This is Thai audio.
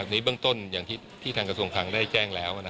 ในเบื้องต้นอย่างที่ทางกระทรวงคลังได้แจ้งแล้ว